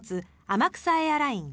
天草エアライン